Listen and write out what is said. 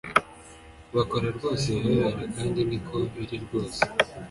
Bakora rwose ibibabera kandi niko biri rwose